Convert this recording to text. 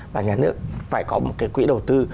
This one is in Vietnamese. và nhà nước phải có một cái quỹ đầu tư